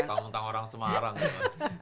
tentang orang semarang ya mas